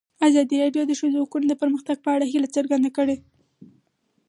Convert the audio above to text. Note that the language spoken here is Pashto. ازادي راډیو د د ښځو حقونه د پرمختګ په اړه هیله څرګنده کړې.